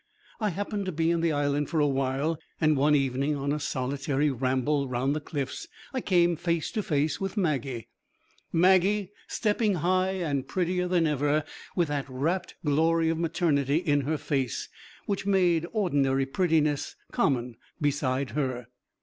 I happened to be in the Island for a while, and one evening on a solitary ramble round the cliffs I came face to face with Maggie, Maggie stepping high, and prettier than ever with that rapt glory of maternity in her face which made ordinary prettiness common beside her.